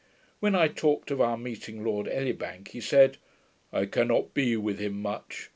When I talked of our meeting Lord Elibank, he said, 'I cannot be with him much.